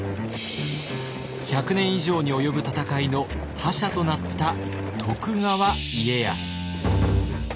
１００年以上に及ぶ戦いの覇者となった徳川家康。